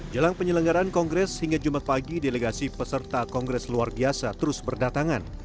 jelang penyelenggaraan kongres hingga jumat pagi delegasi peserta kongres luar biasa terus berdatangan